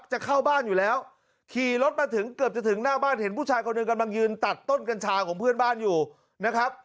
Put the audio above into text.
จะเข้าบ้านอยู่แล้วขี่รถมาถึงเกือบจะถึงหน้าบ้านเห็นผู้ชายคนหนึ่งกำลังยืนตัดต้นกัญชาของเพื่อนบ้านอยู่นะครับ